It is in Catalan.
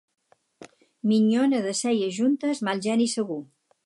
Minyona de celles juntes, mal geni segur.